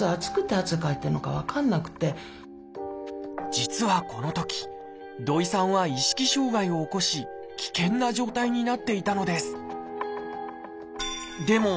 実はこのとき土井さんは意識障害を起こし危険な状態になっていたのです。